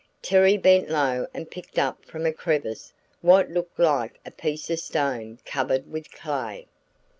Terry bent low and picked up from a crevice what looked like a piece of stone covered with clay.